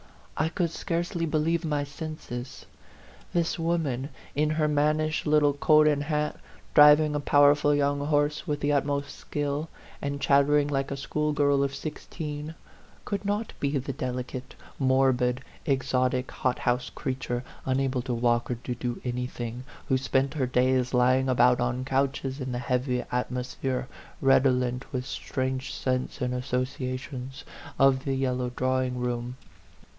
I could scarcely believe my senses. This woman, in her mannish little coat and hat, driving a powerful young horse with the ut most skill, and chattering like a schoolgirl of sixteen, could not be the delicate, morbid, exotic, hothouse creature, unable to walk or to do anything, who spent her days lying about on couches in the heavy atmosphere, redolent with strange scents and associations, of the yellow drawing room.